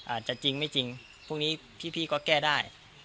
อาจจะจริงไม่จริงพรุ่งนี้พี่ก็แก้ได้